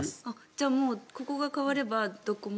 じゃあもうここが変わればどこも？